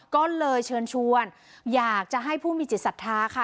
ก็เลยเชิญชวนอยากจะให้ผู้มีจิตศรัทธาค่ะ